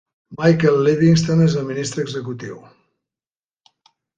Michael Livingston és el ministre executiu.